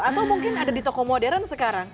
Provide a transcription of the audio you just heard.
atau mungkin ada di toko modern sekarang